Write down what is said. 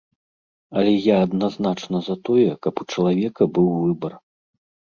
Але я адназначна за тое, каб у чалавека быў выбар.